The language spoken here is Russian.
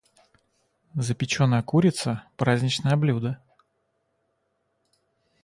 Запеченная курица - праздничное блюдо.